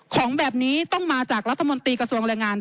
ของแบบนี้ต้องมาจากรัฐมนตรีกระทรวงแรงงาน